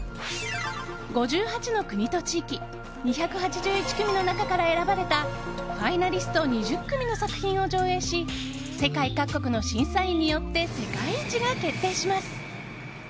５８の国と地域２８１組の中から選ばれたファイナリスト２０組の作品を上映し世界各国の審査員によって世界一が決定します。